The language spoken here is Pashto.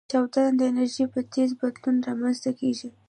چاودنه د انرژۍ په تیز بدلون رامنځته کېږي.